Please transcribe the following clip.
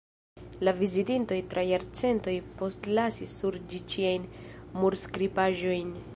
La vizitintoj tra jarcentoj postlasis sur ĝi ĉiajn murskribaĵojn.